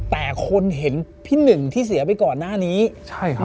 แต่คนเห็นพี่หนึ่งที่เสียไปก่อนหน้านี้ใช่ครับ